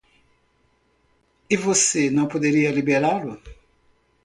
E você não poderia liberá-lo?